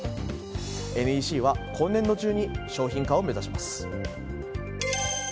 ＮＥＣは今年度中に商品化を目指します。